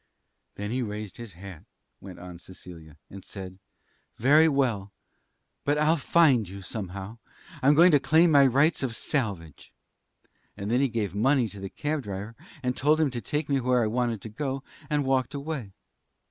"Then he raised his hat," went on Cecilia, "and said: 'Very well. But I'll find you, anyhow. I'm going to claim my rights of salvage.' Then he gave money to the cab driver and told him to take me where I wanted to go, and walked away.